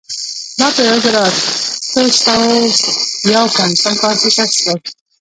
دا په یوه زرو اتو سوو یو پنځوسم کال کې کشف شول.